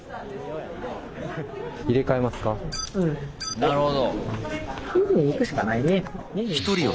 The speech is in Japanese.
なるほど。